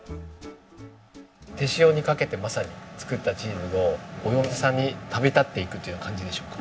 手塩にかけてまさに作ったチーズをお嫁さんに旅立っていくっていうような感じでしょうか。